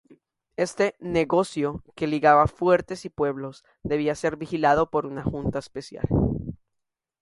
Este "negocio" que ligaba fuertes y pueblos debía ser vigilado por una Junta especial.